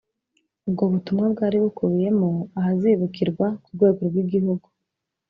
Ubwo butumwa bwari bukubiyemo ahazibukirwa ku rwego rw Igihugu